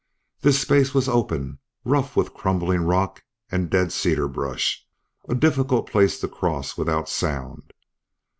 This space was open, rough with crumbling rock and dead cedar brush a difficult place to cross without sound.